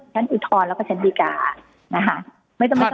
ฉันอุทธรแล้วก็ฉันปรีการนะครับไม่ต้องตรงวนค่ะ